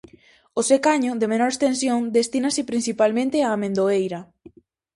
O secaño, de menor extensión, destínase principalmente á amendoeira.